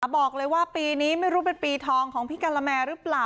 บอกเลยว่าปีนี้ไม่รู้เป็นปีทองของพี่กะละแมหรือเปล่า